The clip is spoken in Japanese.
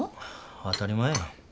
当たり前やん。